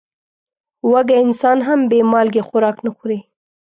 وږی انسان هم بې مالګې خوراک نه خوري.